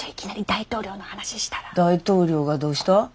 大統領がどうした？